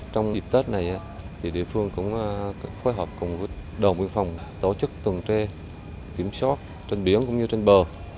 trong dịp tết này thì địa phương cũng phối hợp cùng với đồng viên phòng tổ chức tuần tre kiểm soát trên biển cũng như trên bờ